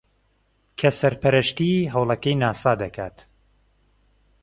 کە سەرپەرشتیی ھەوڵەکەی ناسا دەکات